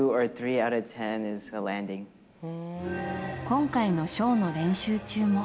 今回のショーの練習中も。